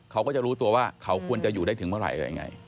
เขาก็จะรู้ตัวว่าเขาควรจะอยู่ได้ถึงเมื่อไหร่อะไรยังไง